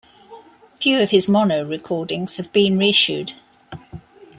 Few of his mono recordings have been reissued.